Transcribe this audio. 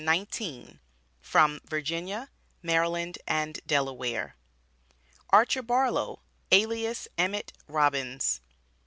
FROM VIRGINIA, MARYLAND AND DELAWARE. ARCHER BARLOW, ALIAS EMIT ROBINS.